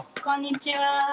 こんにちは。